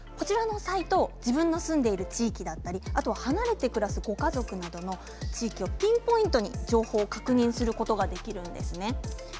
自分の住んでいる地域だったり離れて暮らすご家族などの地域をピンポイントで情報を確認することができるんですね。